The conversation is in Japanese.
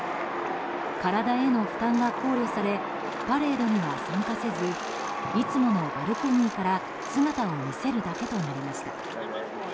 体への負担が考慮されパレードには参加せずいつものバルコニーから姿を見せるだけとなりました。